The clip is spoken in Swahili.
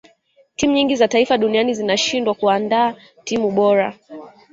timu nyingi za taifa duninai zinashindwa kuandaa timu bora